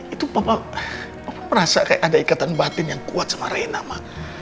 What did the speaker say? itu papa merasa kayak ada ikatan batin yang kuat sama rena ma